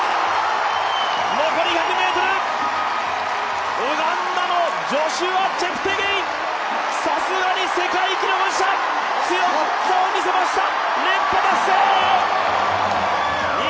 残り１００ｍ、ウガンダのジョシュア・チェプテゲイ、さすがに世界記録保持者、強さを見せました。